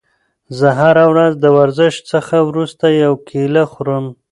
زه هره ورځ د ورزش څخه وروسته یوه کیله خورم.